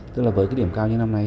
tức là với cái điểm cao như năm nay